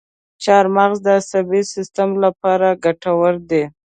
چارمغز د عصبي سیستم لپاره ګټور دی.